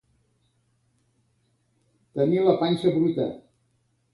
Tenir la panxa bruta.